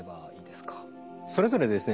それぞれですね